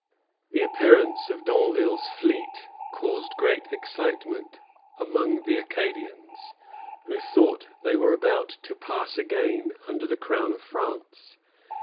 The appearance of D'Anville's fleet caused great excitement among the Acadians, who thought that they were about to pass again under the Crown of France.